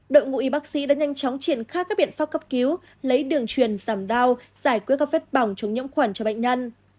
đội ngũ y bác sĩ đã nhanh chóng triển khai các biện pháp cấp cứu lấy đường truyền giảm đau giải quyết các vết bỏng chống những khuẩn cho bệnh nhân